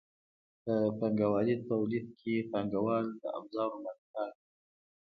په پانګوالي تولید کې پانګوال د ابزارو مالکان دي.